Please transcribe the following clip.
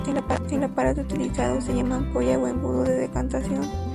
El aparato utilizado se llama ampolla o embudo de decantación.